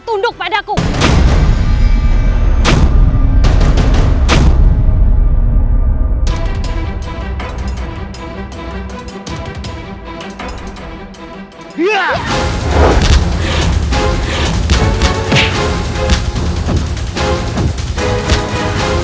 menjadi pemimpin parasiruan